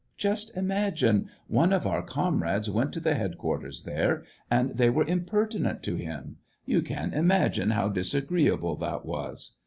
Just imagine, one of our comrades went to the headquarters there, and they were impertinent to him. You can im agine how disagreeable that was